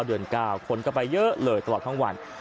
เดือน๙คนก็ไปเยอะเลยตลอดทั้งวัน